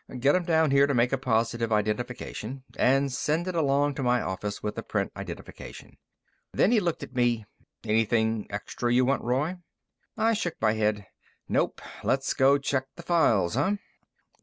Get 'em down here to make a positive identification, and send it along to my office with the print identification." Then he looked at me. "Anything extra you want, Roy?" I shook my head. "Nope. Let's go check the files, huh?"